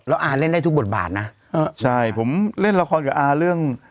แล้วอาเล่นได้ทุกบทบาทนะใช่ผมเล่นละครกับอาเรื่อง